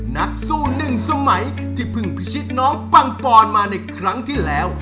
นักสู้หนึ่งสมัยที่เพิ่งพิชิตน้องปังปอนมาในครั้งที่แล้ว